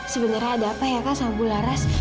sebenarnya ada apa ya kak sama bularas